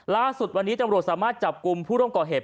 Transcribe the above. ล่าสุดวันนี้ตำรวจสามารถจับกลุ่มผู้ร่วมก่อเหตุ